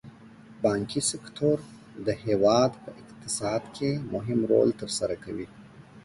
بانکي سکتور د هېواد په اقتصاد کې مهم رول تر سره کوي.